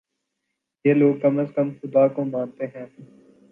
یہ لوگ کم از کم خدا کو مانتے ہیں۔